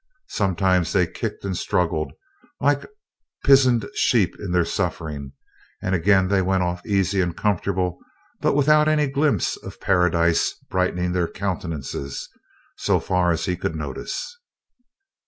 Sometimes they kicked and struggled like pizened sheep in their sufferin', and again they went off easy and comfortable, but without any glimpses of Paradise brightenin' their countenances, so far as he could notice.